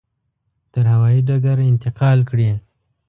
تر هوایي ډګره انتقال کړي.